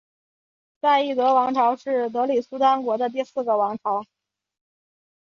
赛义德王朝是德里苏丹国第四个王朝。